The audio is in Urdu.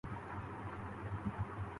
کہ قانون کی حاکمیت کا تصور مجروح ہوتا ہے